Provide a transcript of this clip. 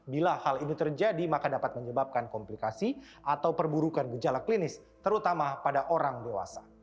bila hal ini terjadi maka dapat menyebabkan komplikasi atau perburukan gejala klinis terutama pada orang dewasa